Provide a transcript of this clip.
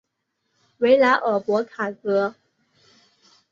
维莱尔博卡格。